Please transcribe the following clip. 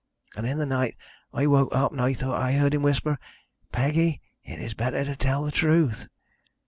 And in the night I woke up and thought I heard him whisper, 'Peggy, it is better to tell the truth.'